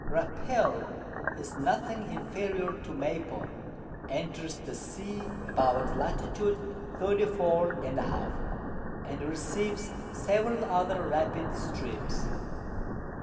Rapel is nothing inferior to Maypo, enters the Sea about Lat. 34. and a half, and receives several other rapid Streams.